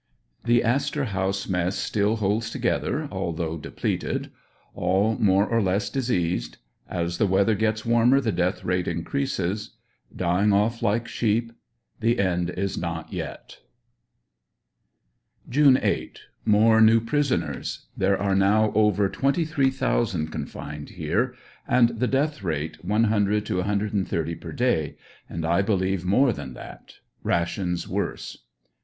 THE ASTOR HOUSE MESS STILL HOLDS TOGETHER, ALTHOUGH DE PLETED — ALL MORE OR LESS DISEASED — AS THE WEATHER GETS WARMER THE DEATH RATE INCREASES — DYING OFF LIKE SHEEP — THE END IS NOT YET. June 8. —More new prisoners. There are now over 23,000 con fined here, and the death rate 100 to 130 per day, and I believe more than that. Rations worse.